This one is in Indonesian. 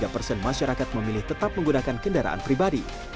tiga persen masyarakat memilih tetap menggunakan kendaraan pribadi